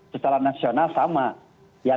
secara nasional sama